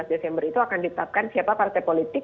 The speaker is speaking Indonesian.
empat belas desember itu akan ditetapkan siapa partai politik